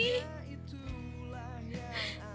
yang mempunyai kecintaian